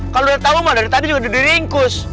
kalau udah tau dari tadi juga udah diringkus